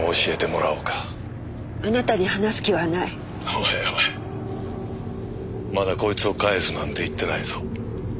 おいおいまだこいつを返すなんて言ってないぞ。